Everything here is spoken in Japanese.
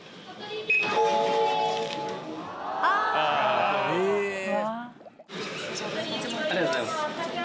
ありがとうございます。